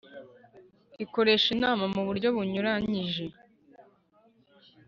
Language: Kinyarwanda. Ukoresha inama mu buryo bunyuranyije